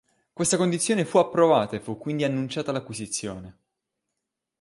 Questa condizione fu approvata e fu quindi annunciata l'acquisizione.